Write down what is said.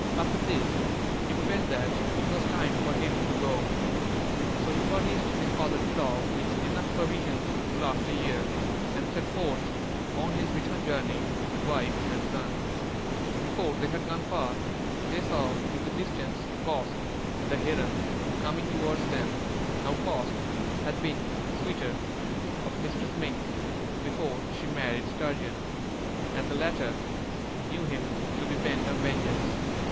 After this, he felt that it was time for him to go; so he furnished his father in law with enough provisions to last a year, and set forth on his return journey with his wife and son. Before they had gone far, they saw in the distance Kosq', the Heron, coming towards them. Now Kosq' had been a suitor of Mistress Mink before she married Sturgeon, and the latter knew him to be bent on vengeance.